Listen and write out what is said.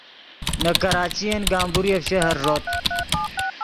نے کراچین گمبوریف شہر ݱوت